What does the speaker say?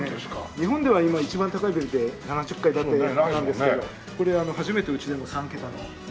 日本では今一番高いビルで７０階建てなんですけどこれ初めてうちでも３桁のものなんですけど。